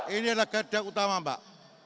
ini adalah garda utama mbak